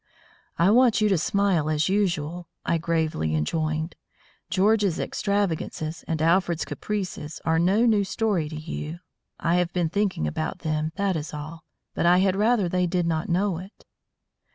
"I want you to smile as usual," I gravely enjoined. "George's extravagances and Alfred's caprices are no new story to you. I have been thinking about them, that is all, but I had rather they did not know it."